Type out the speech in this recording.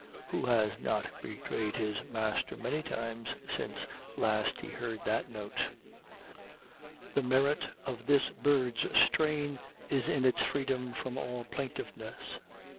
Who has not betrayed his master many times since last he heard that note? The merit of this bird's strain is in its freedom from all plaintiveness.